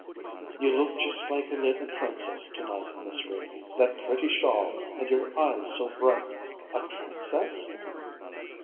"You look just like a little princess to night, Miss Renie that pretty shawl and your eyes so bright." "A princess!"